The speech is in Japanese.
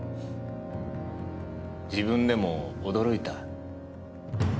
自分でも驚いた。